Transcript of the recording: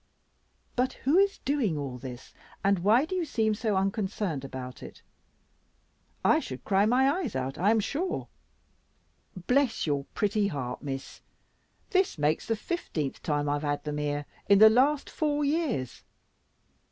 But who is doing all this, and why do you seem so unconcerned about it? I should cry my eyes out, I am sure." "Bless your pretty heart, Miss; this makes the fifteenth time I've had them here in the last four years.